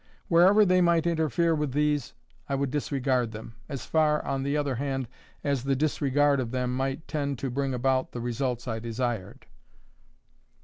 Wherever they might interfere with these, I would disregard them—as far on the other hand as the disregard of them might tend to bring about the results I desired.